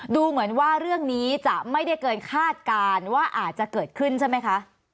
ดูเหมือนว่าเรื่องนี้จะไม่ได้เกินคาดการณ์ว่าอาจจะเกิดขึ้นใช่ไหมคะ